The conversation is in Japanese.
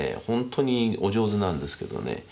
本当にお上手なんですけどね